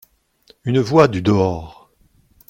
UNE VOIX DU DEHORS.